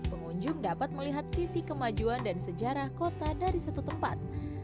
pengunjung dapat melihat sisi kemajuan dan sejarah kota dari satu tempat